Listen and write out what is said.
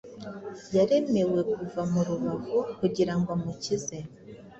yaremewe kuva mu rubavu kugirango amukize